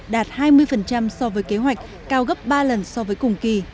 đạt hai mươi so với kế hoạch cao gấp ba lần so với cùng kỳ